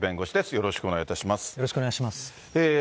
よろしくお願いします。